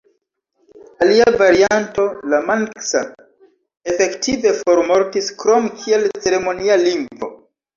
Alia varianto, la manksa, efektive formortis krom kiel ceremonia lingvo.